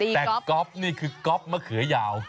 แต่ก๊อฟนี่คือก๊อปมะเขือยาว